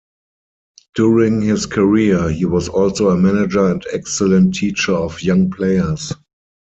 During his career, he was also a manager and excellent teacher of young players.